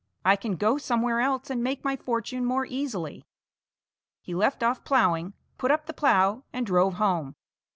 I can go somewhere else and make my fortune more easily." He left off ploughing, put up the plough, and drove home.